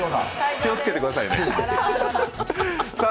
気をつけてくださいね。